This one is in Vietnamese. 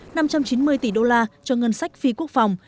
năm trăm chín mươi tỷ đô la cho ngân sách phi quốc phòng